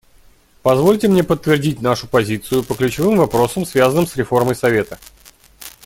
Позвольте мне подтвердить нашу позицию по ключевым вопросам, связанным с реформой Совета.